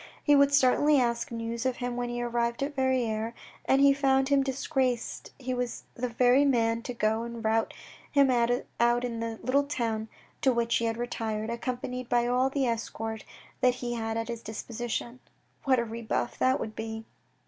He would certainly ask news of him when he arrived at Verrieres, and if he found him disgraced he was the very man to go and route him out in the little house to which he had retired, accompanied by all the escort that he had at his dis position. What a rebuff that would be